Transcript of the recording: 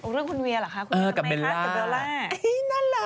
เรื่องคุณเวียเหรอคะคุณเวียทำไมคะกับเบลล่านั่นแหละ